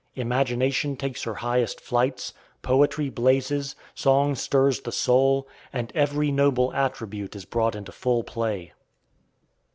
Imagination takes her highest flights, poetry blazes, song stirs the soul, and every noble attribute is brought into full play.